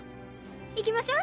行きましょう。